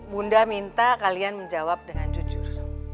bunda minta kalian menjawab dengan jujur